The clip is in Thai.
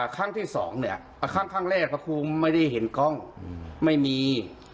ครั้งที่สองเนี่ยครั้งแรกพระครูไม่ได้เห็นกล้องไม่มี